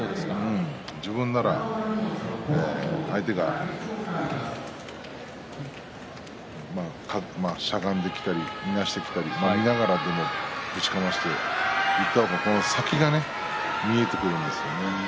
自分なら相手がしゃがんできたりいなしてきたりしても、見ながらでもぶちかました方が先が見えてくるんですよね。